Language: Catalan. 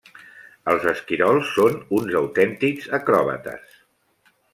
Els esquirols són uns autèntics acròbates.